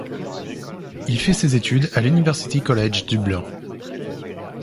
Il fait ses études à l'University College Dublin.